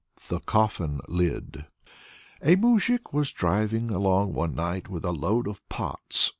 THE COFFIN LID. A moujik was driving along one night with a load of pots.